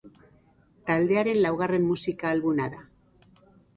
Taldearen laugarren musika albuma da.